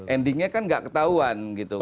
endingnya kan nggak ketahuan gitu kan